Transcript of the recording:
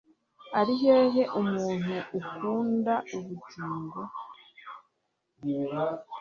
ari hehe umuntu ukunda ubugingo